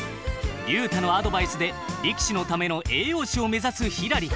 竜太のアドバイスで力士のための栄養士を目指すひらり。